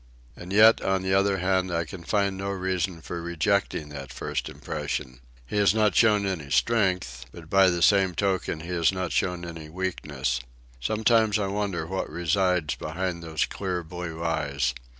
And yet, on the other hand, I can find no reason for rejecting that first impression. He has not shown any strength, but by the same token he has not shown any weakness. Sometimes I wonder what resides behind those clear blue eyes.